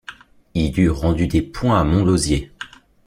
Il eût rendu des points à Montlosier.